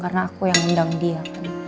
karena aku yang mendang dia